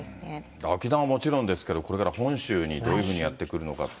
だから沖縄はもちろんですけれども、これから本州にどういうふうにやって来るのか。